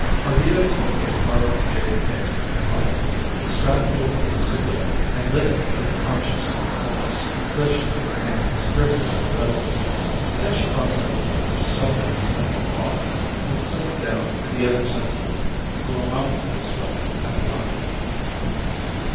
Ardita took a carved jade case from her pocket, extracted a cigarette and lit it with a conscious coolness, though she knew her hand was trembling a little; then she crossed over with her supple, swinging walk, and sitting down in the other settee blew a mouthful of smoke at the awning.